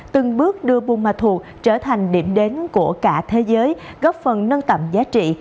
từng bước đưa bumathu trở thành điểm đến của cả thế giới góp phần nâng tầm giá trị